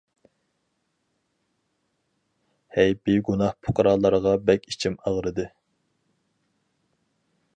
ھەي بىگۇناھ پۇقرالارغا بەك ئىچىم ئاغرىدى.